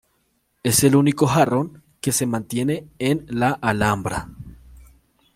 Es el único jarrón que se mantiene en la Alhambra.